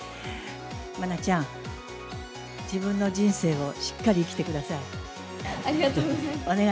愛菜ちゃん、自分の人生をしっかり生きてください。